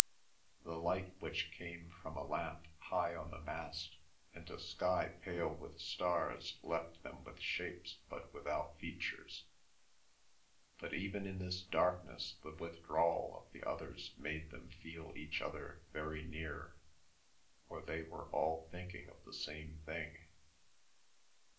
The light which came from a lamp high on the mast and a sky pale with stars left them with shapes but without features; but even in this darkness the withdrawal of the others made them feel each other very near, for they were all thinking of the same thing.